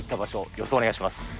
予想お願いします。